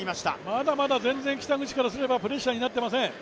まだまだ全然北口からすればプレッシャーになっていません。